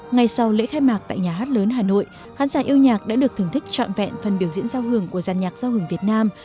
ngay sau lễ khai mạc tại nhà hát lớn hà nội khán giả yêu nhạc đã được thưởng thức trọn vẹn phần biểu diễn giao hưởng của dàn nhạc giao hưởng việt nam